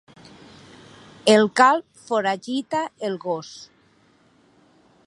El calb foragita el gos.